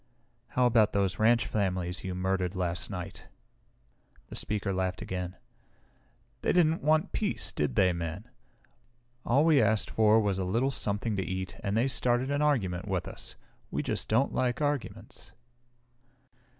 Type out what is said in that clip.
"How about those ranch families you murdered last night?" The speaker laughed again. "They didn't want peace, did they, Men? All we asked for was a little something to eat and they started an argument with us. We just don't like arguments."